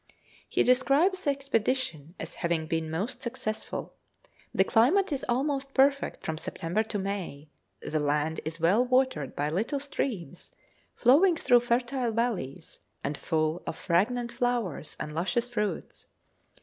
He describes the expedition as having been most successful; the climate is almost perfect from September to May; the land is well watered by little streams flowing through fertile valleys, and full of fragrant flowers and luscious fruits.